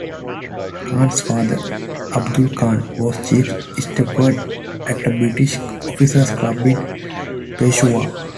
Khan's father, Abdullah Khan was chief steward at a British officer's club in Peshawar.